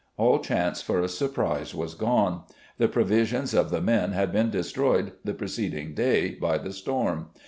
All chance for a surprise was gone. The provisions of the men had been destroyed the preceding day by the storm.